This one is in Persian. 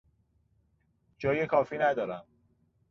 جای کافی ندارم.